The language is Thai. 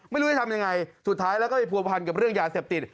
ไม่รู้จะทำยังไงสุดท้ายแล้วก็ไปผัวพันกับเรื่องยาเสพติด